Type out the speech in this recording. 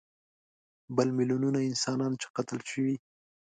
بل میلیونونه انسانان چې قتل شوي.